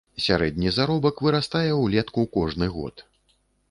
Сярэдні заробак вырастае ўлетку кожны год.